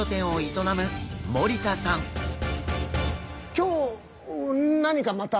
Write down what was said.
今日何かまた？